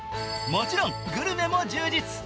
もちろんグルメも充実。